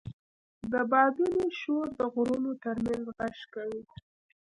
د بادونو شور د غرونو تر منځ غږ کوي.